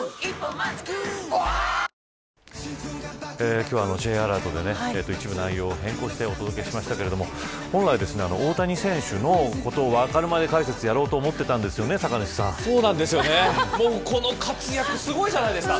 今日は、Ｊアラートで一部内容を変更してお届けしましたけど本来、大谷選手のことをわかるまで解説でやろうとこの活躍すごいじゃないですか。